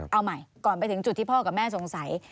เอาใหม่ก่อนไปถึงจุดที่พ่อกับแม่สงสัย